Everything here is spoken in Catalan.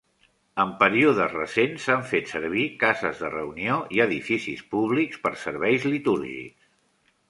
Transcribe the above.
En períodes recents, s'han fet servir cases de reunió i edificis públics per serveis litúrgics.